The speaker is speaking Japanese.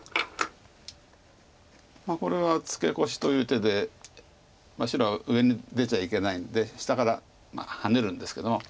これはツケコシという手で白は上に出ちゃいけないんで下からハネるんですけども。